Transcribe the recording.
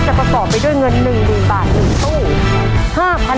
จะประบอบไปด้วยเงิน๑บาทอีกตู้